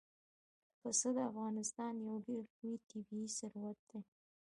پسه د افغانستان یو ډېر لوی طبعي ثروت دی.